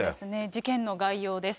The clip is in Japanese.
事件の概要です。